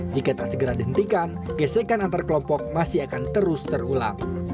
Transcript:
jika tak segera dihentikan gesekan antar kelompok masih akan terus terulang